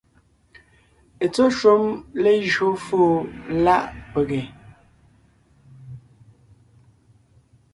Etsɔ́ shúm lejÿo fóo láʼ pege,